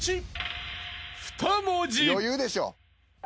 余裕でしょ。